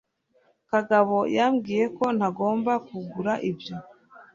kagabo yambwiye ko ntagomba kugura ibyo